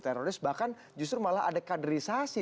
teroris bahkan justru malah ada kaderisasi